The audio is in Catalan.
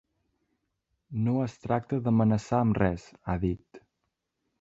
No es tracta d’amenaçar amb res, ha dit.